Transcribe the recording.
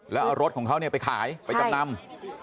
แล้วเอารถของเขาไปขายไปจำนำ